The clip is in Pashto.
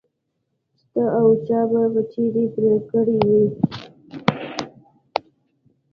چې ته وا چا به په چړې پرې کړي وي.